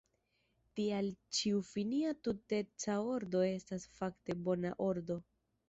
Tial ĉiu finia tuteca ordo estas fakte bona ordo.